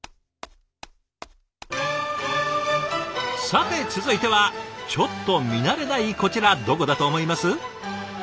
さて続いてはちょっと見慣れないこちらどこだと思います？